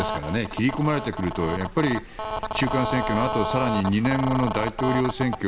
切り込まれてくると中間選挙のあと更に２年後の大統領選挙